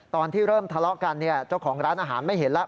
ตอนที่เริ่มทะเลาะกันเจ้าของร้านอาหารไม่เห็นแล้ว